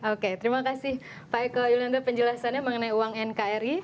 oke terima kasih pak eko yulianda penjelasannya mengenai uang nkri